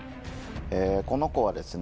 この子はですね